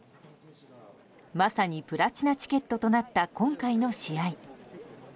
まさにプラチナチケットとなった今回の試合。